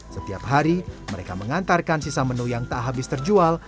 setiap hari mereka mengantarkan sisa menu yang tak habis terjual